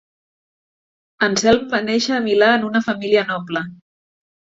Anselm va néixer a Milà en una família noble.